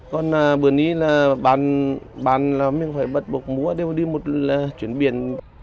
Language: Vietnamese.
còn bữa nay là bạn mình phải bật bột mua để đi một chuyến biển